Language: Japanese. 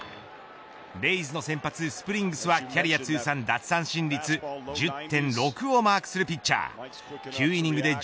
レイズの先発スプリングスはキャリア通算奪三振率１０．６をマークするピッチャー。